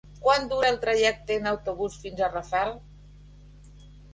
Quant dura el trajecte en autobús fins a Rafal?